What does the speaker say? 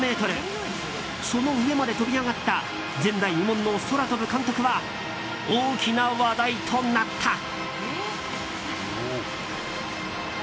その上まで飛び上がった前代未聞の空飛ぶ監督は大きな話題となった。